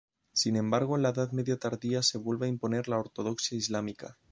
Sin embargo en la edad media tardía se vuelve a imponer la ortodoxia islámica.